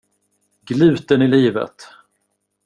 Gluten är livet!